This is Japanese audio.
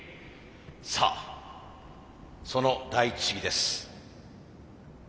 さあその第一試技です。